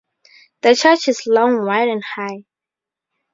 The church is long, wide and high.